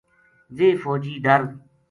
ویہ فوجی ڈر